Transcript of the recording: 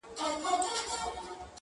نو شاعري څه كوي~